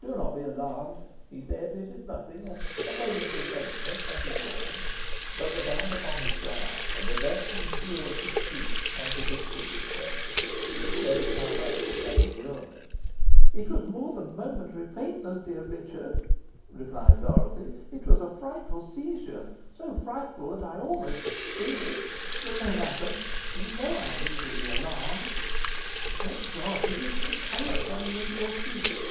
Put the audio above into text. "Do not be alarmed," he said; "it is nothing a momentary faintness that is all." But the damp upon his brow, and the deathly hue of his cheek, contradicted the assertion, and showed how much he had endured. "It was more than momentary faintness, dear Richard," replied Dorothy. "It was a frightful seizure so frightful that I almost feared; but no matter you know I am easily alarmed. Thank God! here is some colour coming into your cheeks.